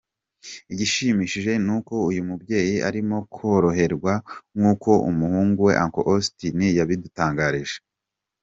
Igishimishije ni uko uyu mubyeyi arimo koroherwa nkuko umuhungu we Uncle Austin yabidutangarije.